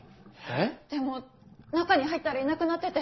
えっ⁉でも中に入ったらいなくなってて。